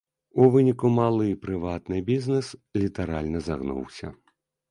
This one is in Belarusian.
У выніку малы прыватны бізнес літаральна загнуўся.